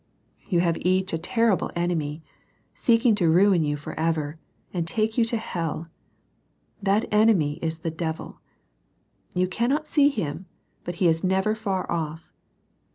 You have each a terrible enemy, seeking to ruin you for ever, and take you to hell. That enemy is the devil. You cannot see him. But he is never far off.